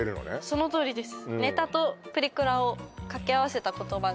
そのとおりです